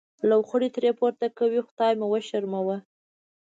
لوخړې ترې پورته کوئ او خدای مو وشرموه.